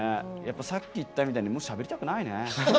さっき言ったみたいにもうしゃべりたくないね。